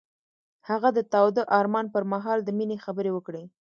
هغه د تاوده آرمان پر مهال د مینې خبرې وکړې.